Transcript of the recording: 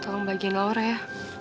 tolong bagiin laura ya